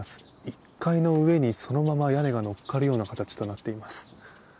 １階の上にそのまま屋根が乗っかるような形となっています。